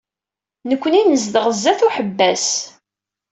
Nekkni nezdeɣ sdat uḥebbas.